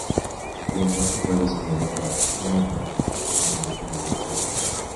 El lenguaje fue diseñado para una programación de alto nivel sencilla.